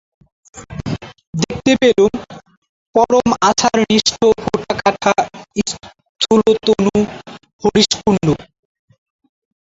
দেখতে পেলুম পরম আচারনিষ্ঠ ফোঁটাকাটা স্থূলতনু হরিশ কুণ্ডু।